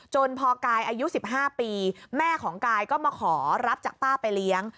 พอกายอายุ๑๕ปีแม่ของกายก็มาขอรับจากป้าไปเลี้ยง